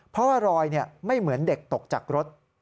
เพราะว่ารอยไม่เหมือนเด็กตกจากรถ